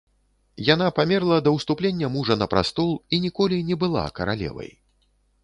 Яна памерла да ўступлення мужа на прастол і ніколі не была каралевай.